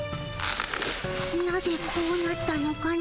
なぜこうなったのかの？